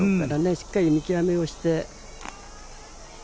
しっかり見極めをして。